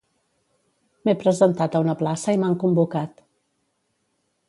M'he presentat a una plaça i m'han convocat .